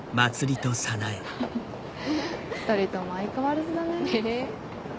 ２人とも相変わらずだね。ねぇ。